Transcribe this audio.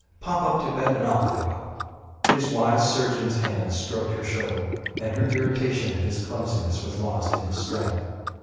Pop up to bed, and I'll clear up." His wise surgeon's hands stroked her shoulder, and her irritation at his clumsiness was lost in his strength.